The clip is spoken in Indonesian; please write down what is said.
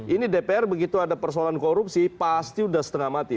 ini dpr begitu ada persoalan korupsi pasti sudah setengah mati